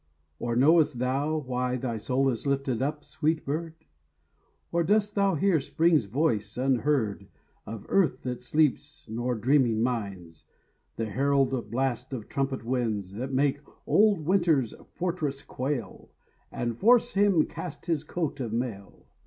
Or knowest thou why Thy soul is lifted up, sweet bird? Or dost thou hear Spring's voice, unheard Of earth that sleeps, nor, dreaming, minds The herald blast of trumpet winds That make old Winter's fortress quail, And force him cast his coat of mail.